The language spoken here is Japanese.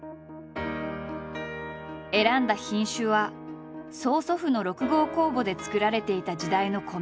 選んだ品種は曽祖父の６号酵母で作られていた時代の米。